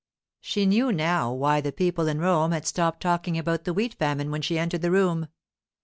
She knew now why the people in Rome had stopped talking about the wheat famine when she entered the room.